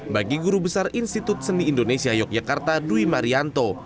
bagi guru besar institut seni indonesia yogyakarta dwi marianto